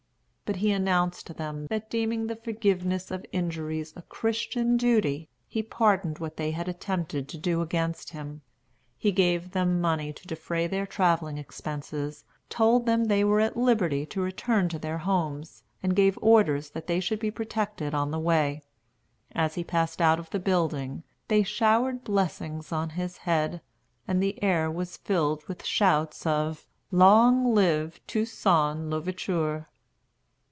But he announced to them that, deeming the forgiveness of injuries a Christian duty, he pardoned what they had attempted to do against him. He gave them money to defray their travelling expenses, told them they were at liberty to return to their homes, and gave orders that they should be protected on the way. As he passed out of the building, they showered blessings on his head, and the air was filled with shouts of "Long live Toussaint l'Ouverture."